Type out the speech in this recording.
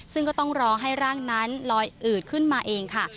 ซึ่งก็ต้องรอให้ร่างนั้นลอยอืดขึ้นมาเองค่ะ